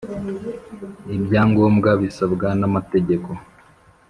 Ibyangombwa bisabwa n amategeko